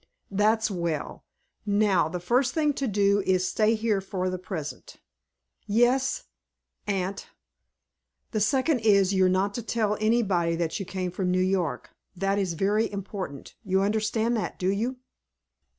"That's well. Now the first thing to do, is to stay here for the present." "Yes aunt." "The second is, you're not to tell anybody that you came from New York. That is very important. You understand that, do you?"